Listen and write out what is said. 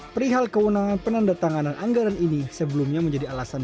perihal kewenangan penandatanganan anggaran ini sebelumnya menjadi alasan